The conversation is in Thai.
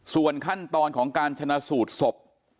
ส่วนขั้นตอนของการชนะสูตรศพ